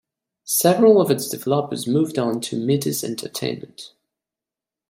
Several of its developers moved on to Mithis Entertainment.